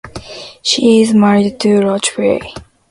She is married to Roch Frey.